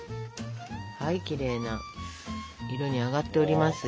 きれいな色に揚がっておりますよ。